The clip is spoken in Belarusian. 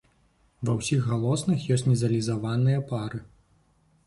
Ва ўсіх галосных ёсць назалізаваныя пары.